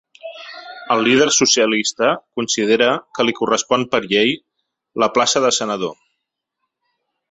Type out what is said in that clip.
El líder socialista considera que li correspon ‘per llei’ la plaça de senador.